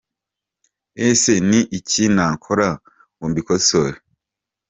Ese ni iki nakora ngo mbikosore